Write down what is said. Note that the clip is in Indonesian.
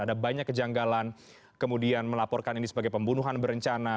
ada banyak kejanggalan kemudian melaporkan ini sebagai pembunuhan berencana